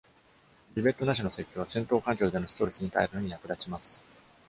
リベットなしの設計は、戦闘環境でのストレスに耐えるのに役立ちます。